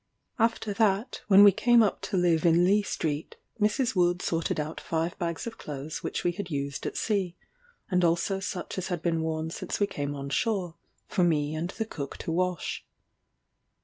After that, when we came up to live in Leigh Street, Mrs. Wood sorted out five bags of clothes which we had used at sea, and also such as had been worn since we came on shore, for me and the cook to wash.